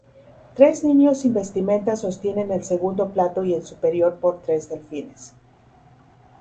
Tres niños sin vestimenta sostienen el segundo plato y el superior por tres delfines.